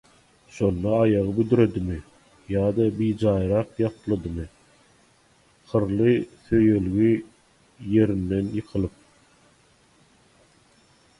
Şonda aýagy büdredimi ýa-da bijaýrak ýapladymy hyrly söýelgi ýerinden ýykylyp